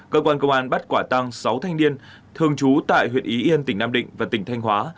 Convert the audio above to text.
cơ quan công an bắt quả tăng sáu thanh niên thường trú tại huyện ý yên tỉnh nam định và tỉnh thanh hóa